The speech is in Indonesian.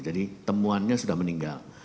jadi temuannya sudah meninggal